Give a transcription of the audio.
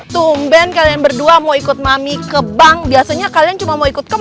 tumben kalian berdua mau ikut mami ke bank biasanya kalian cuma mau ikut ke